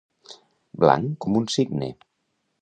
Blanc com un cigne.